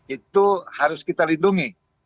itu harus kita lindungi